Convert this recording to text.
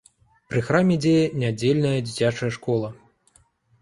Пры храме дзее нядзельная дзіцячая школа.